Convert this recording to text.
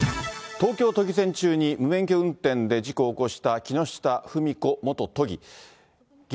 東京都議選中に無免許運転で事故を起こした木下富美子元都議。